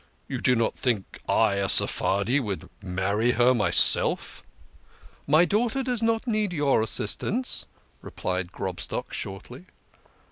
You do not think I, a Sephardi, would marry her myself !"" My daughter does not need your assistance," replied Grobstock shortly.